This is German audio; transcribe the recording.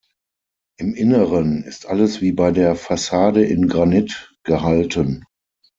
Im Inneren ist alles wie bei der Fassade in Granit gehalten.